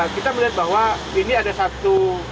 kita melihat bahwa ini ada satu